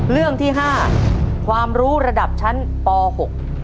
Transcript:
เรื่องที่ห้าความรู้ระดับชั้นปหก